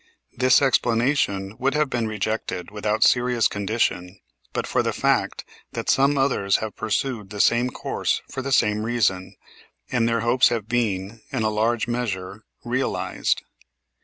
This explanation would have been rejected without serious consideration, but for the fact that some others have pursued the same course for the same reason, and their hopes have been, in a large measure, realized.